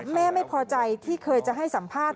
แม่ไม่พอใจที่เคยจะให้สัมภาษณ์